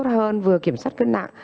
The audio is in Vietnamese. tốt hơn vừa kiểm soát cân nặng